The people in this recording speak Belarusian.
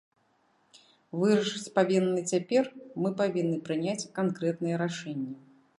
Вырашаць павінны цяпер, мы павінны прыняць канкрэтныя рашэнні.